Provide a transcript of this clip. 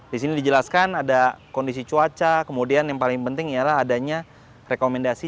di sini dijelaskan ada kondisi cuaca kemudian yang paling penting ialah adanya rekomendasi